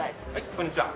こんにちは。